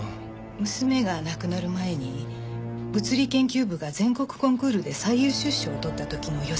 娘が亡くなる前に物理研究部が全国コンクールで最優秀賞を取った時の寄せ書きです。